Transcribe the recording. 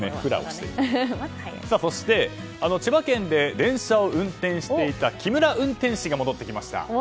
そして、千葉県で電車を運転していた木村運転士が戻ってきました。